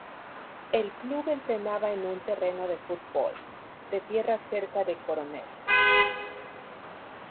El club entrenaba en un terreno de fútbol, de tierra cerca de Coronet.